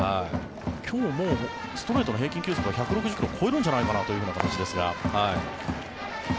今日はストレートの平均球速が１６０ｋｍを超えるんじゃないかなという形ですが。